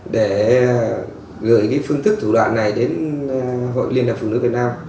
để gửi phương thức thủ đoạn này đến hội liên lạc phụ nữ việt nam